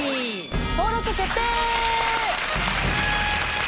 登録決定！